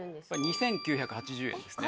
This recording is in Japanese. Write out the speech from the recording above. ２９８０円ですね。